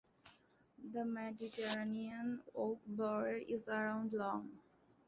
The Mediterranean oak borer is around long.